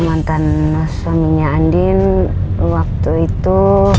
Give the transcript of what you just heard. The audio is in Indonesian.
mantan suaminya andin waktu itu